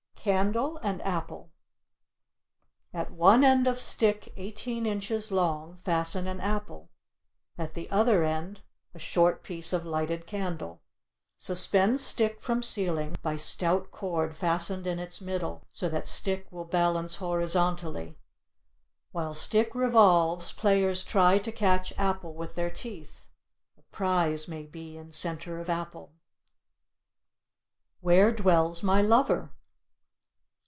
CANDLE AND APPLE At one end of stick 18 inches long fasten an apple; at the other end, a short piece of lighted candle. Suspend stick from ceiling by stout cord fastened in its middle so that stick will balance horizontally; while stick revolves players try to catch apple with their teeth. A prize may be in center of apple. WHERE DWELLS MY LOVER?